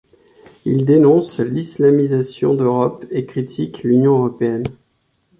Il dénonce l'islamisation d´Europe et critique l'Union européenne.